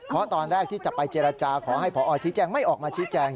เพราะตอนแรกที่จะไปเจรจาขอให้พอชี้แจงไม่ออกมาชี้แจง